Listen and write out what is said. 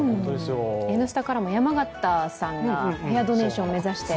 「Ｎスタ」からも山形さんがヘアドネーションを目指して